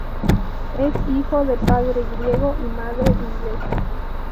Es hijo de padre griego y madre inglesa.